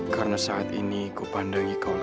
karena saat ini ku pandangi kau lekas